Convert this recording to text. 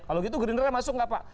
kalau gitu gerindra masuk nggak pak